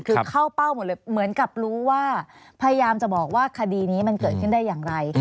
คือเข้าเป้าหมดเลยเหมือนกับรู้ว่าพยายามจะบอกว่าคดีนี้มันเกิดขึ้นได้อย่างไร